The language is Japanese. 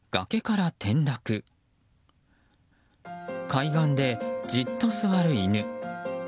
海岸でじっと座る犬。